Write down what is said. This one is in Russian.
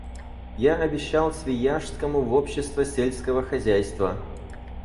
Я обещал Свияжскому в Общество сельского хозяйства.